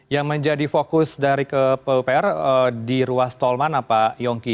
yang menjadi fokus dari ke pupr di ruas tol mana pak yongki